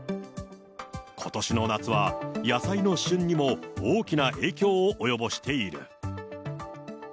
ことしの夏は野菜の旬にも大きな影響を及ぼしている。